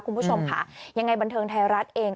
คุณผู้ชมค่ะยังไงบันเทิงไทยรัฐเอง